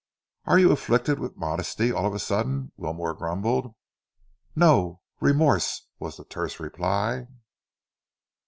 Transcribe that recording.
"Are you afflicted with modesty, all of a sudden?" Wilmore grumbled. "No, remorse," was the terse reply.